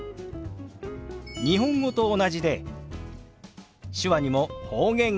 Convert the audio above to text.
日本語と同じで手話にも方言があるんですよ。